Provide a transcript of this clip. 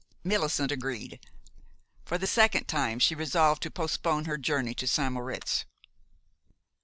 Millicent agreed. For the second time, she resolved to postpone her journey to St. Moritz.